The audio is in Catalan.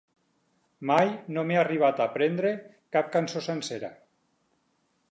Mai no m'he arribat a aprendre cap cançó sencera.